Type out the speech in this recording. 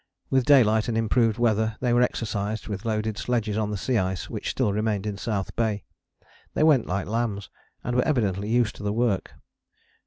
With daylight and improved weather they were exercised with loaded sledges on the sea ice which still remained in South Bay. They went like lambs, and were evidently used to the work.